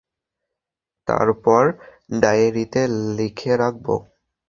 তারপর ডায়েরিতে লিখে রাখব।